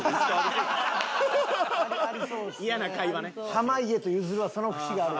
濱家とゆずるはその節がある。